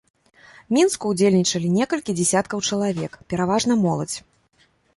Мінску ўдзельнічалі некалькі дзесяткаў чалавек, пераважна моладзь.